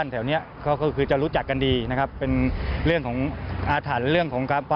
สวัสดีครับ